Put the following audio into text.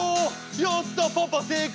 やったパパ正解！